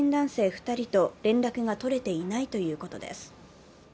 ２人と連絡が取れていないということです。